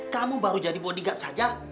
kamu baru jadi bodikat saja